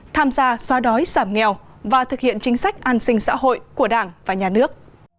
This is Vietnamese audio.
tham gia xóa đói giảm nghèo và thực hiện chính sách an sinh xã hội của đảng và nhà nước